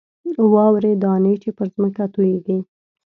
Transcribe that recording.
واورې دانې چې پر ځمکه تویېږي.